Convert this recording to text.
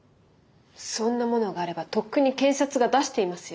そんなものがあればとっくに検察が出していますよ。